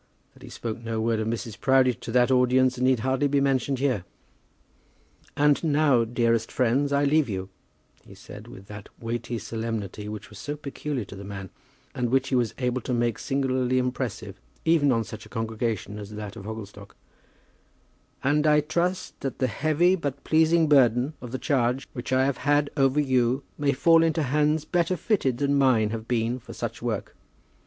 That he spoke no word of Mrs. Proudie to that audience need hardly be mentioned here. "And now, dearest friends, I leave you," he said, with that weighty solemnity which was so peculiar to the man, and which he was able to make singularly impressive even on such a congregation as that of Hogglestock, "and I trust that the heavy but pleasing burden of the charge which I have had over you may fall into hands better fitted than mine have been for such work.